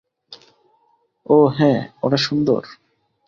ওহ হ্যা, ওটা সুন্দর।